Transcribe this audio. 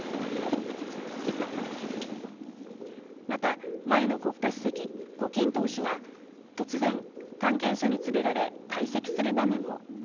また前の国家主席、胡錦涛氏が突然、関係者に連れられ退席する場面も。